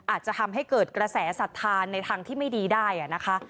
อาจจะทำให้เกิดกระแสสัทธาในทางที่ไม่ดีได้นะคะ